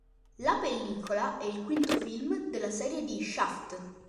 La pellicola è il quinto film della serie di "Shaft".